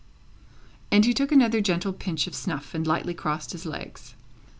And he took another gentle little pinch of snuff, and lightly crossed his legs.